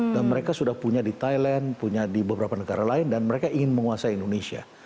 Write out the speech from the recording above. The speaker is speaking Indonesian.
dan mereka sudah punya di thailand punya di beberapa negara lain dan mereka ingin menguasai indonesia